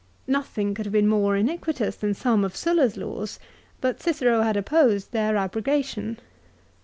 Nothing could have been more iniquitous than some of Sulla's laws, but Cicero had opposed their abrogation.